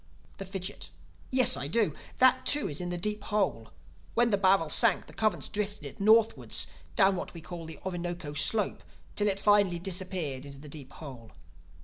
The Fidgit: "Yes, I do. That too is in the Deep Hole. When the barrel sank the currents drifted it northwards down what we call the Orinoco Slope, till it finally disappeared into the Deep Hole.